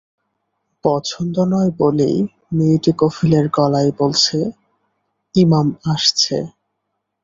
পছন্দ নয় বলেই মেয়েটি কফিলের গলায় বলেছে-ইমাম আসছে।